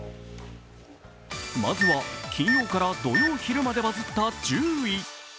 まずは金曜から土曜昼までバズった１０位。